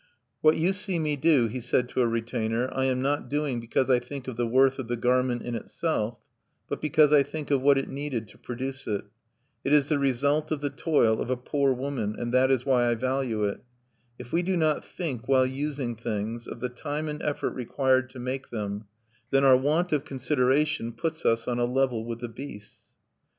"What you see me do," he said to a retainer, "I am not doing because I think of the worth of the garment in itself, but because I think of what it needed to produce it. It is the result of the toil of a poor woman; and that is why I value it. _If we do not think, while using things, of the time and effort required to make them, then our want of consideration puts us on a level with the beasts_."